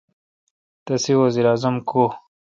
تسے° وزیر اعظم کو° ؟